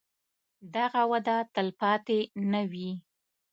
دغه وده تلپاتې نه وي.